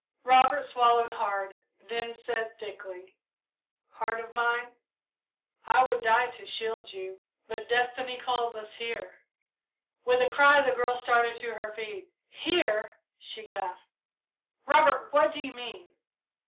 Robert swallowed hard, then said thickly, "Heart of Mine, I would die to shield you, but Destiny calls us here." With a cry the girl started to her feet. "Here!" she gasped. "Robert, what do you mean!"